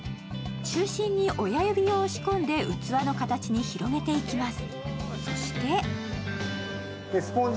中心に親指を押し込んで、器の形に広げていきます。